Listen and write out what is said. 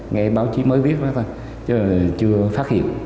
nghe báo chí mới viết đó thôi chứ chưa phát hiện